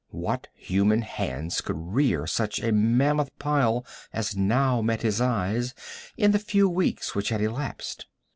What human hands could rear such a mammoth pile as now met his eyes, in the few weeks which had elapsed?